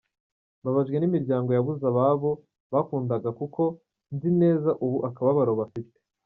Mbabajwe n’imiryango yabuze ababo bakundaga kuko nzi neza ubu akababaro bafite.